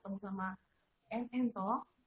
ketemu sama entok